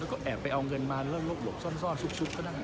แล้วก็แอบไปเอาเงินมาแล้วหลบซ่อนซุกก็ได้